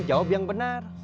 jawab yang benar